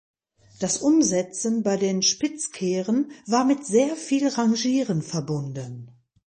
Das Umsetzen bei den Spitzkehren war mit sehr viel Rangieren verbunden.